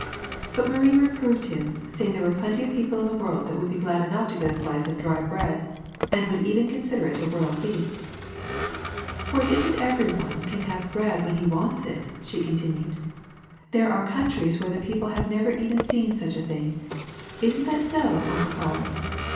But Marie reproved him, saying there were plenty of people in the world that would be glad enough to get a slice of dry bread and would even consider it a royal feast. *' For it is n 't every one can have bread when he wants it,'' she continued. *^ There are countries where the people have never even seen such a thing. Is n't that so. Uncle Paul?"